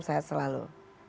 selamat malam selamat malam